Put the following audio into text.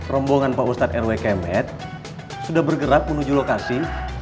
rombongan pak ustadz rwk med sudah bergerak menuju lokasi